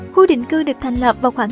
khu định cư được thành lãnh thổ của maya